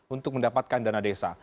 untuk mendapatkan dana desa